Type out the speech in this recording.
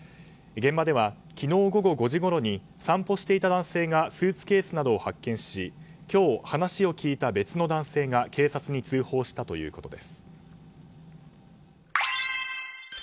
現場では昨日午後５時ごろに散歩していた男性がスーツケースなどを発見し今日、話を聞いた別の男性が警察に通報したということです。